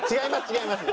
違います！